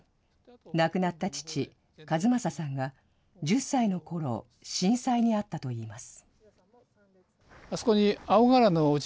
亡くなった父、一正さんが、１０歳のころ、震災に遭ったといいます。